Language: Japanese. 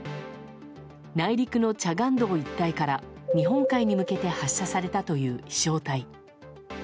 内陸のチャガン道一帯から日本海に向けて発射されたという飛翔体。